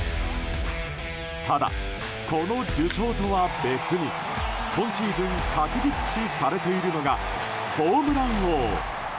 ただ、この受賞とは別に今シーズン確実視されているのがホームラン王。